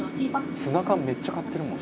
「ツナ缶めっちゃ買ってるもんな」